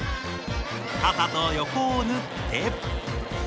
肩と横を縫って。